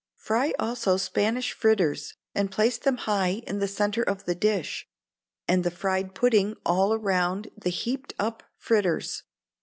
Fry also Spanish fritters, and place them high in the centre of the dish, and the fried pudding all round the heaped up frittera.